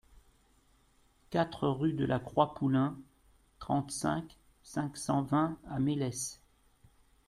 quatre rue de La Croix Poulin, trente-cinq, cinq cent vingt à Melesse